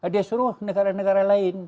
dia suruh negara negara lain